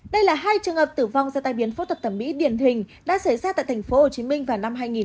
đây là hai trường hợp tử vong do tai biến phốt thuật thẩm mỹ điển hình đã xảy ra tại tp hcm vào năm hai nghìn hai mươi ba